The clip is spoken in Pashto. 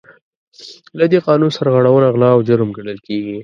له دې قانون سرغړونه غلا او جرم ګڼل کیږي.